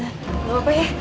gak apa apa ya